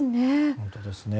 本当ですね。